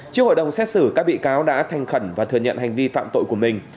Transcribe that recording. trước hội đồng xét xử các bị cáo đã thành khẩn và thừa nhận hành vi phạm tội của mình